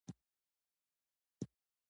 لوږه دومره زور وه چې نوم مې هېر شو.